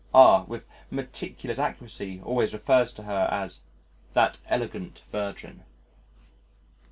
_" R , with meticulous accuracy, always refers to her as "that elegant virgin."